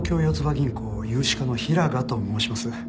銀行融資課の平賀と申します。